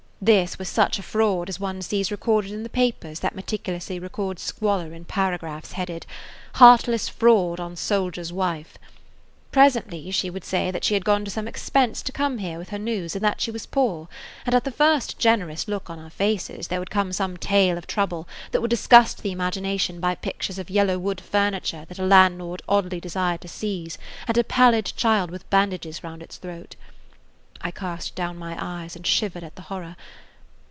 This was such a fraud as one sees recorded in the papers that meticulously record squalor in paragraphs headed, "Heartless Fraud on Soldier's [Page 21] Wife." Presently she would say that she had gone to some expense to come here with her news and that she was poor, and at the first generous look on our faces there would come some tale of trouble that would disgust the imagination by pictures of yellow wood furniture that a landlord oddly desired to seize and a pallid child with bandages round its throat. I cast down my eyes and shivered at the horror.